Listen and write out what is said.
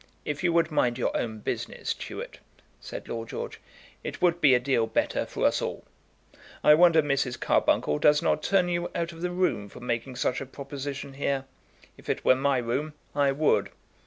"If you would mind your own business, Tewett," said Lord George, "it would be a deal better for us all. I wonder Mrs. Carbuncle does not turn you out of the room for making such a proposition here. If it were my room, I would."